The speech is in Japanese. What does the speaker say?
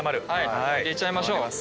入れちゃいましょう。